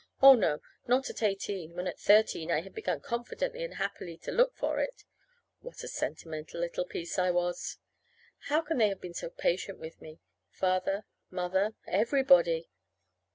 Oh, no, not at eighteen, when at thirteen I had begun confidently and happily to look for it! What a sentimental little piece I was! How could they have been so patient with me Father, Mother, everybody!